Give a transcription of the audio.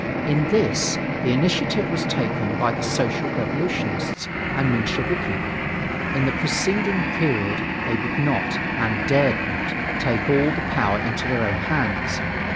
In this, the initiative was taken by the Social Revolutionists and the Mensheviki. In the preceding period they would not, and dared not, take all the power into their own hands.